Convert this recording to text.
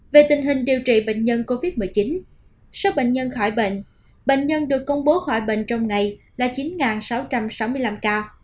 về tình hình điều trị bệnh nhân covid một mươi chín số bệnh nhân khỏi bệnh bệnh nhân được công bố khỏi bệnh trong ngày là chín sáu trăm sáu mươi năm ca